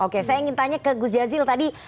oke saya ingin tanya ke gus jazil tadi